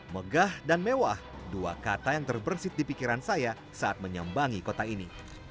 megah dan mewah dua kata yang terbersih di pikiran saya saat menyambangi kota ini